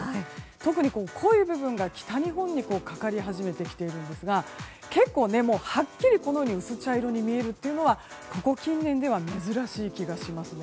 特に、濃い部分が北日本にかかり始めてきているんですが結構はっきりと薄茶色に見えるというのはここ近年では珍しい気がしますね。